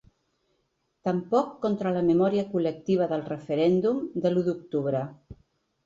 Tampoc contra la memòria col·lectiva del referèndum de l’u d’octubre.